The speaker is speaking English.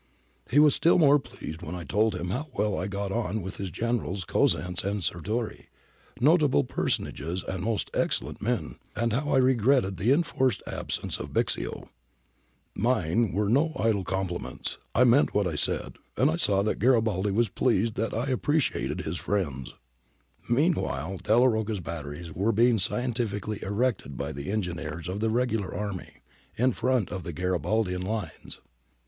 He was still more pleased when I told him how well I got on with his generals Cosenz and Sirtori, notable personages and most excellent' men, and how I regretted the enforced absence of Bixio Mine were no idle compliments. I meant what I said, and frienTs.'! ^^"^^^^^^^^ pleased that I appreciated his Meanwhile, Delia Rocca's batteries were being scien tifically erected by the engineers of the regular army, in front of the Garibaldian lines.